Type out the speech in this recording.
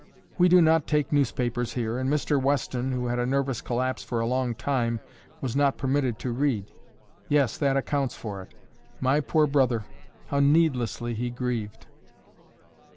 "We do not take newspapers here and Mr. Weston, who had a nervous collapse for a long time, was not permitted to read. Yes, that accounts for it. My poor brother! How needlessly he grieved."